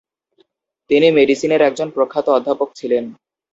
তিনি মেডিসিনের একজন প্রখ্যাত অধ্যাপক ছিলেন।